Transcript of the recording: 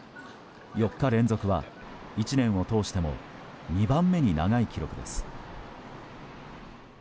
４日連続は１年を通しても２番目に長い記録です。